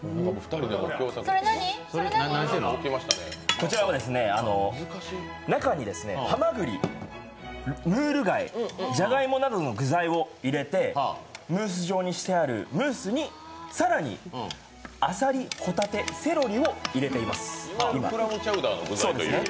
こちらは中にはまぐり、ムール貝、じゃがいもなどの具材を入れてムース状にしてあるムースに、更にあさり、ほたて、セロリを入れています、今。